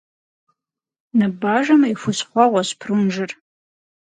Ныбажэм и хущхъуэгъуэщ прунжыр.